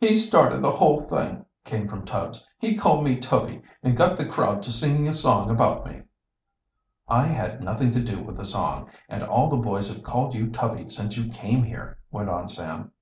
"He started the whole thing," came from Tubbs. "He called me Tubby, and got the crowd to singing a song about me." "I had nothing to do with the song, and all the boys have called you Tubby since you came here," went on Sam.